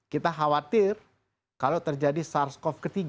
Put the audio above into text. kita khawatir kalau terjadi sars cov ketiga